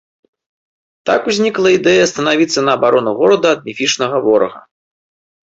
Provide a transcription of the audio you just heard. Так узнікла ідэя станавіцца на абарону горада ад міфічнага ворага.